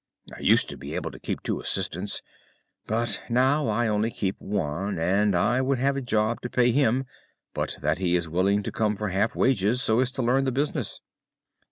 I used to be able to keep two assistants, but now I only keep one; and I would have a job to pay him but that he is willing to come for half wages so as to learn the business."